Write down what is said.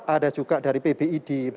ada juga dari pbid